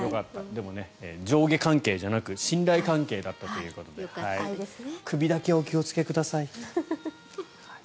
でも上下関係じゃなく信頼関係だったということで首だけお気をつけください。